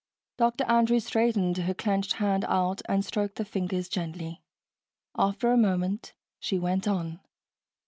Dr. Andrews straightened her clenched hand out and stroked the fingers gently. After a moment, she went on.